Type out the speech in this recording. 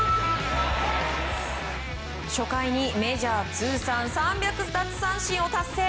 初回にメジャー通算３００奪三振を達成。